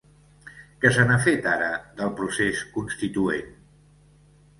Què se n’ha fet, ara, del procés constituent?